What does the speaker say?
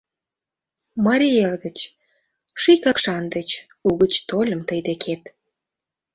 Марий Эл гыч, ший Какшан деч, Угыч тольым тый декет.